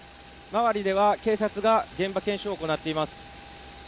周りでは警察が現場検証を行っています。